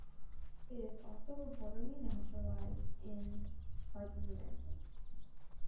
It is also reportedly naturalized in parts of North America.